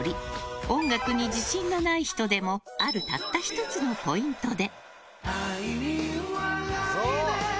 音楽に自信がない人でもあるたった１つのポイントで。